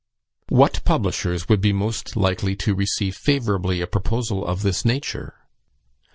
"What publishers would be most likely to receive favourably a proposal of this nature?